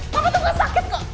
mama tuh kan sakit kok